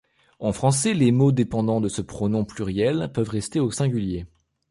En français, les mots dépendant de ce pronom pluriel peuvent rester au singulier.